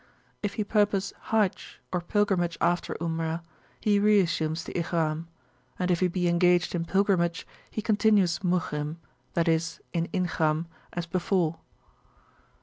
If he purpose Hajj, or pilgrimage after Umrah, he re assumes the Ihram. And if he be engaged in pilgrimage, he continues Muhrim, i.e., in Ihram, as before.